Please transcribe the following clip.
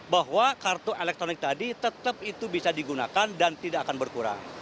bahwa kartu elektronik tadi tetap itu bisa digunakan dan tidak akan berkurang